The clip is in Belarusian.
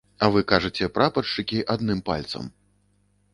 А вы кажаце прапаршчыкі адным пальцам!